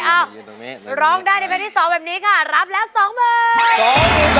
อ้าวร้องได้ในเพลงที่๒แบบนี้ค่ะ